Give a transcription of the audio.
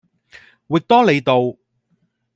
域多利道